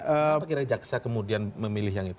apa kira jaksa kemudian memilih yang itu